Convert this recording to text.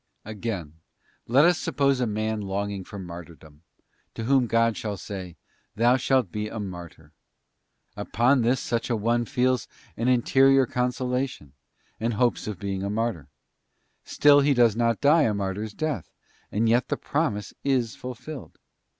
Again: let us suppose a man longing for martyrdom, to whom God shall say, 'Thou shalt be a Martyr.' Upon this such an one feels great interior consolation, and hopes of being a martyr. Still he does not die a martyr's death, and yet the promise is fulfilled.